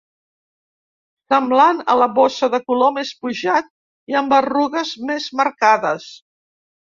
Semblant a la bossa de color més pujat i amb arrugues més marcades.